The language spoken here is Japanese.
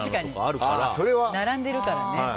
確かに、並んでるからね。